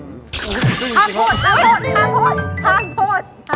ห้ามโพธ